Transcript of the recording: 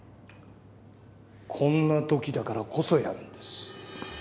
こんなときだからこそやるんです。